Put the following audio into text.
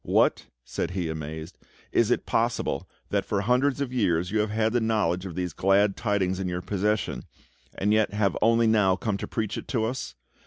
"What!" said he, amazed; "is it possible that for hundreds of years you have had the knowledge of these glad tidings in your possession, and yet have only now come to preach it to us?